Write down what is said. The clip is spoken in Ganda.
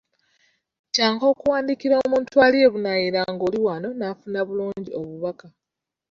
Kyangu okuwandiikira omuntu ali e Bunaayira ng'oli wano n'afuna bulungi obubaka.